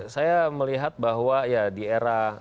saya melihat bahwa ya di era